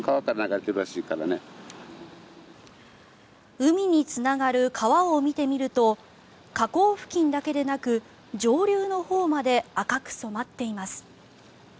海につながる川を見てみると河口付近だけでなく上流のほうまで赤く染まっています。